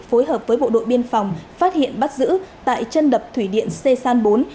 phối hợp với bộ đội biên phòng phát hiện bắt giữ tại chân đập thủy điện sê san bốn